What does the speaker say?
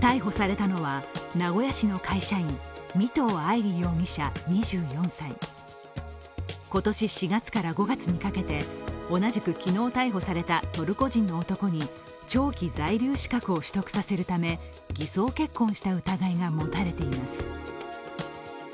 逮捕されたのは名古屋市の会社員、味藤愛莉容疑者２４歳今年４月から５月にかけて同じく昨日逮捕されたトルコ人の男に長期在留資格を取得させるため偽装結婚した疑いが持たれています。